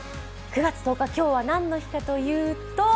９月１０日今日は何の日かというと？